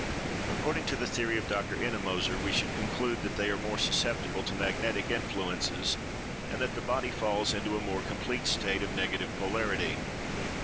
According to the theory of Dr. Ennemoser, we should conclude that they are more susceptible to magnetic influences, and that the body falls into a more complete state of negative polarity.